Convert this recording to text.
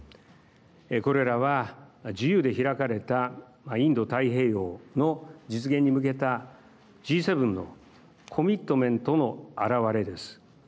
これらは自由で開かれたインド太平洋の実現に向けたＧ７コミットメントの表れです。